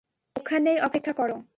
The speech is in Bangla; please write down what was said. ওখানেই অপেক্ষা করো।